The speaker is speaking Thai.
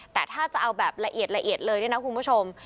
แต่ถ้าจะเอาแบบละเอียดเลยนะคุณผู้ชม